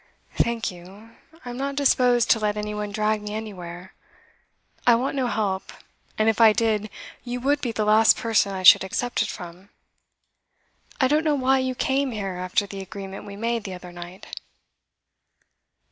'Thank you, I am not disposed to let any one drag me anywhere. I want no help; and if I did, you would be the last person I should accept it from. I don't know why you came here after the agreement we made the other night.